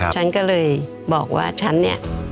ฉันก็เลยบอกว่าฉันเนี่ย